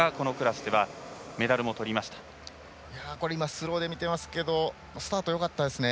スローで見てますけどスタートがよかったですね。